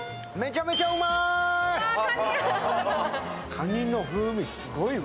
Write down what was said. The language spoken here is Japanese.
かにの風味、すごいわ。